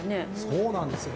そうなんですよ。